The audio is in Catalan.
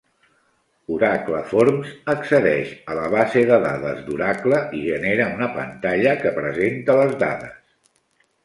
Oracle Forms accedeix a la base de dades d'Oracle i genera una pantalla que presenta les dades.